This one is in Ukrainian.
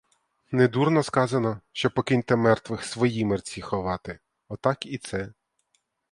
Не дурно сказано, що покиньте мертвих свої мерці ховати, — отак і це.